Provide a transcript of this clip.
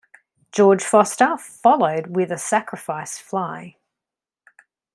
George Foster followed with a sacrifice fly.